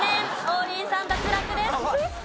王林さん脱落です。